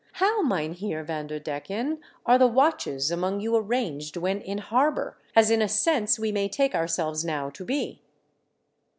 How. Mynheer Vanderdecken, are the watches among you arranged when in harbour, as in a sense we may take ourselves now to be